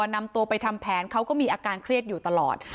นำตัวไปทำแผนเขาก็มีอาการเครียดอยู่ตลอด